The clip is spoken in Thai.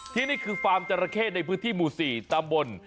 ที่นี่คือฟาร์มจราเข้ในพื้นที่หมู่๔ตำบล